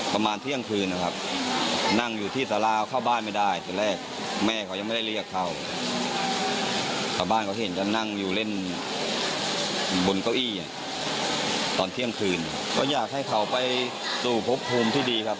เซ่งความคุณหายที่ดีครับ